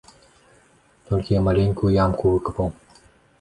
Толькі я маленькую ямку выкапаў.